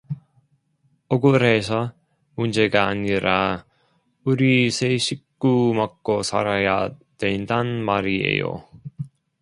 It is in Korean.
억울해서 문제가 아니라 우리 세 식구 먹고살아야 된단 말이에요.